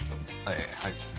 ええはい。